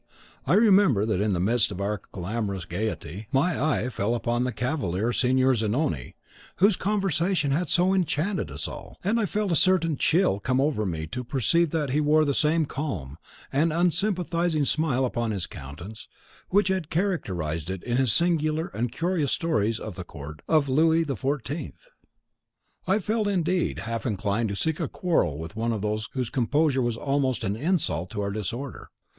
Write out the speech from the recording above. I remember that in the midst of our clamorous gayety, my eye fell upon the cavalier Signor Zanoni, whose conversation had so enchanted us all; and I felt a certain chill come over me to perceive that he wore the same calm and unsympathising smile upon his countenance which had characterised it in his singular and curious stories of the court of Louis XIV. I felt, indeed, half inclined to seek a quarrel with one whose composure was almost an insult to our disorder.